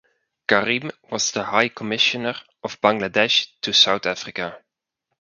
Karim was the High Commissioner of Bangladesh to South Africa.